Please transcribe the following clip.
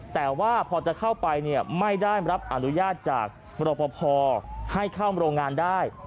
แต่ว่าพอจะเข้าไปเนี่ยไม่ได้รับอนุญาตจากรปภให้เข้าโรงงานได้